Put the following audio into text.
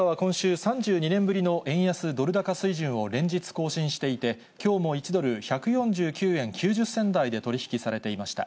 円相場は今週、３２年ぶりの円安ドル高水準を連日更新していて、きょうも１ドル１４９円９０銭台で取り引きされています。